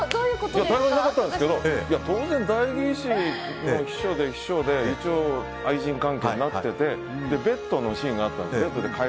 台本になかったんですけど当然、代議士の秘書で秘書で一応、愛人関係になっててベッドで会話するシーンがあったんです。